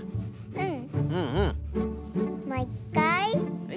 うん。